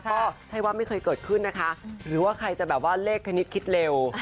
ก็ใช่ว่าไม่เคยเกิดขึ้นนะคะหรือว่าใครจะแบบว่าเลขคณิตคิดเร็ว